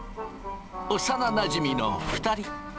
幼なじみの２人。